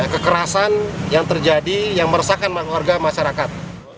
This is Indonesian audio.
kekerasan yang terjadi yang meresahkan warga masyarakat